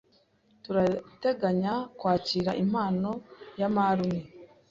Turateganya kwakira impano ya marume.